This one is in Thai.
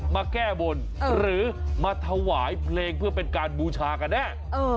มาแก้บนหรือมาถวายเพลงเพื่อเป็นการบูชากันแน่